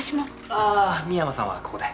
ああ深山さんはここで。